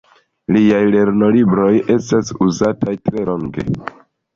Liaj lernolibroj estis uzataj tre longe.